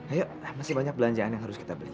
ayo masih banyak belanjaan yang harus kita beli